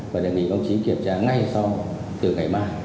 và đề nghị báo chí kiểm tra ngay sau từ ngày mai